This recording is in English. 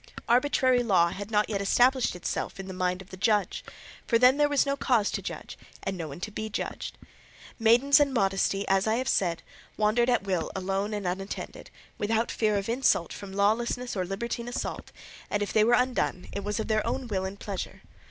Arbitrary law had not yet established itself in the mind of the judge, for then there was no cause to judge and no one to be judged. Maidens and modesty, as I have said, wandered at will alone and unattended, without fear of insult from lawlessness or libertine assault, and if they were undone it was of their own will and pleasure.